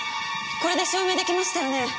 これで証明できましたよね！